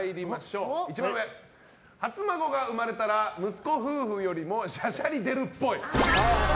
一番上、初孫が生まれたら息子夫婦よりもしゃしゃり出るっぽい。